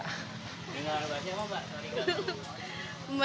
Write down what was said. dengar bahasanya apa mbak